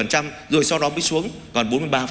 rồi sau đó mới xuống còn bốn mươi ba